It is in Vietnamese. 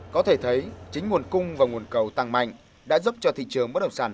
có thể thấy chính nguồn cung và nguồn cầu tăng mạnh đã giúp cho thị trường bất động sản